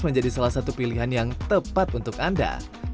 menjadi salah satu pilihan yang tepat untuk anda